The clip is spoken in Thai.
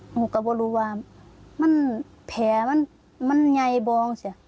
หนูก็ไม่รู้ว่ามันแผลมันไงบองสิ